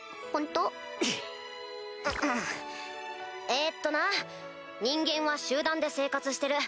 えっとな人間は集団で生活してる。